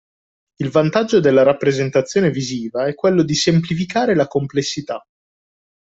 Il vantaggio della rappresentazione visiva è quello di semplificare la complessità